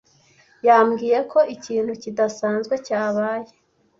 Yambwiye ko ikintu kidasanzwe cyabaye.